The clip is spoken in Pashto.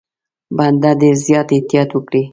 بنده ډېر زیات احتیاط وکړي.